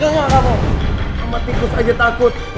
enggak kamu sama tikus aja takut